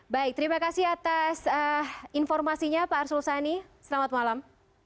baik terima kasih atas informasinya pak arsul sani selamat malam